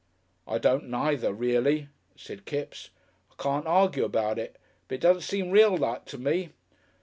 "I don't neither, reely," said Kipps. "I can't argue about it, but it don't seem real like to me.